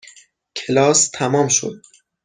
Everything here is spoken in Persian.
کلاس تمام شد.